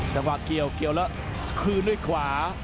จังหวะเกี่ยวยังละคลื่นด้วยขวา